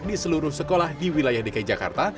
di seluruh sekolah di wilayah dki jakarta